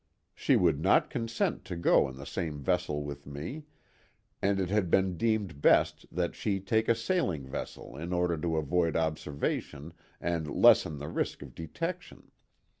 She would not consent to go in the same vessel with me, and it had been deemed best that she take a sailing vessel in order to avoid observation and lessen the risk of detection.